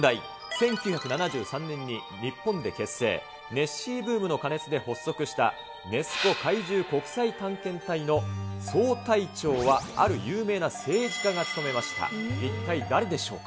１９７３年に日本で結成、ネッシーブームの過熱で発足した、ネス湖怪獣国際探検隊の総隊長はある有名な政治家が務めました。